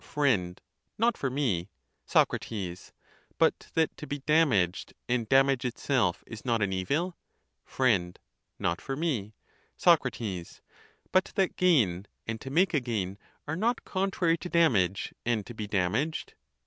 Fr. Not for me. Soc. But that to be damaged, and damage itself, is not an evil? Fr. Not for me. Soc. But that gain, and to make a gain, are not contrary to damage, and to be damaged